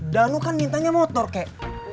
danu kan mintanya motor kek